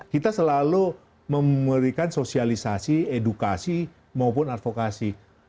kita selalu memberikan sosialisasi edukasi maupun advokasi